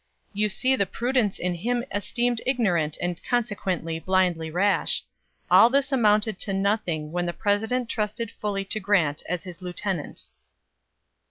You see the prudence in him esteemed ignorant and consequently blindly rash. All this amounted to nothing when the President trusted fully to Grant as his lieutenant.